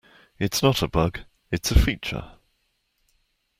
It's not a bug, it's a feature!